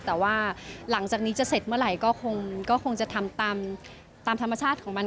แต่ว่าหลังจากนี้จะเสร็จเมื่อไหร่ก็คงจะทำตามธรรมชาติของมัน